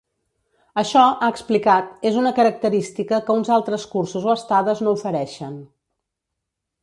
Això, ha explicat, és una característica que uns altres cursos o estades no ofereixen.